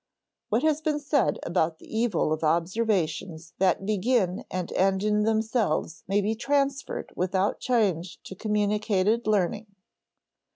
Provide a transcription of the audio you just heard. What has been said about the evil of observations that begin and end in themselves may be transferred without change to communicated learning.